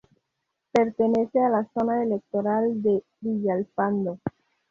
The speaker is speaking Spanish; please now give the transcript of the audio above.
Pertenece a la zona electoral de Villalpando.